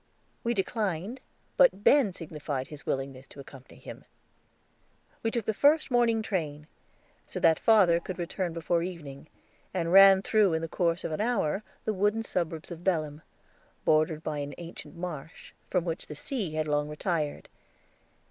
We declined, but Ben signified his willingness to accompany him. We took the first morning train, so that father could return before evening, and ran through in the course of an hour the wooden suburbs of Belem, bordered by an ancient marsh, from which the sea had long retired.